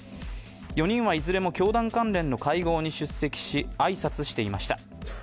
４人はいずれも教団関連の会合に出席し、挨拶していました。